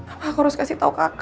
aku harus kasih tau kakak